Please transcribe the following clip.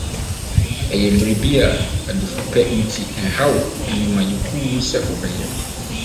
Ɛyɛ biribi a adifudepɛ nti ɛnhaw nnwumayɛkuw no sɛ wɔbɛyɛ.